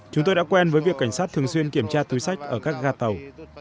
chúng tôi đã quen với việc cảnh sát thường xuyên kiểm tra túi sách ở các gà tàu